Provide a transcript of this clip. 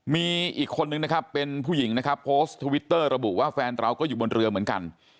มีอีกคนนึงนะครับเป็นผู้หญิงนะครับโพสต์ทวิตเตอร์ระบุว่าแฟนเราก็อยู่บนเรือเหมือนกัน